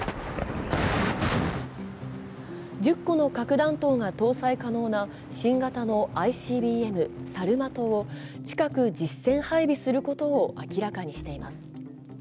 １０個の核弾頭が搭載可能な新型のＩＣＢＭ、サルマトを近く実戦配備することを明らかにしています。